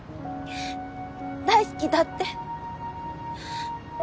大好きだって。